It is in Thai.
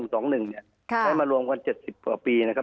ใช้มารวมกัน๗๐กว่าปีนะครับ